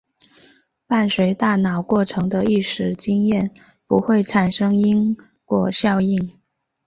伴随大脑过程的意识经验不会产生因果效用。